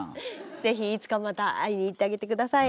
是非いつかまた会いに行ってあげて下さい。